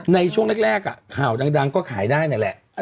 ในช่วงแรกข่าวดังก็ขายได้นั่นแหละ